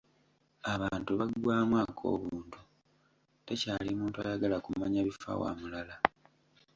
Abantu baggwaamu ak'obuntu, tekyali muntu ayagala kumanya bifa wa mulala.